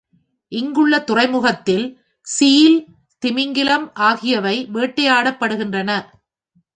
இங்குள்ள துறைமுகத்தில் சீல், திமிங்கிலம் ஆகியவை வேட்டையாடப்படுகின்றன.